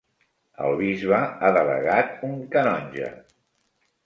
El bisbe ha delegat un canonge.